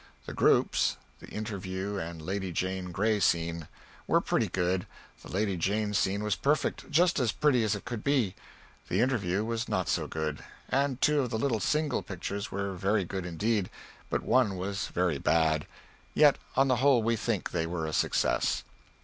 The groups (the Interview and Lady Jane Grey scene) were pretty good, the lady Jane scene was perfect, just as pretty as it could be, the Interview was not so good; and two of the little single pictures were very good indeed, but one was very bad. Yet on the whole we think they were a success.